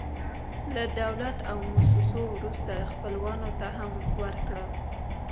له دولت او موسسو وروسته، خپلوانو ته هم ورکړه.